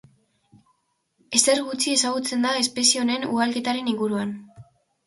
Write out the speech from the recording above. Ezer gutxi ezagutzen da espezie honen ugalketaren inguruan.